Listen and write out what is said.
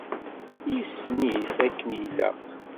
Yessen-it akken i ilaq.